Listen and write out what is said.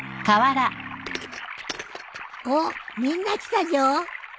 おっみんな来たじょ。